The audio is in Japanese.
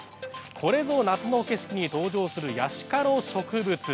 これぞ夏の景色に登場するヤシ科の植物